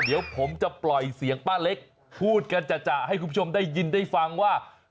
เดี๋ยวผมจะปล่อยเสียงป้าเล็กพูดกันจ่ะให้คุณผู้ชมได้ยินได้ฟังว่า